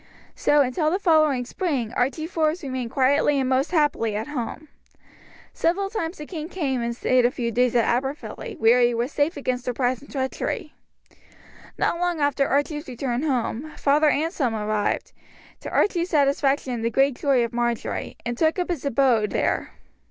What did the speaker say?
So until the following spring Archie Forbes remained quietly and most happily at home. Several times the king came and stayed a few days at Aberfilly, where he was safe against surprise and treachery. Not long after Archie's return home, Father Anselm arrived, to Archie's satisfaction and the great joy of Marjory, and took up his abode there.